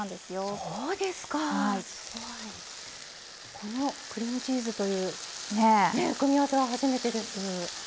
このクリームチーズという組み合わせは初めてです。